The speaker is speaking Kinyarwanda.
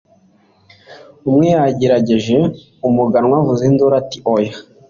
umwe yagerageje. umuganwa avuza induru ati 'oya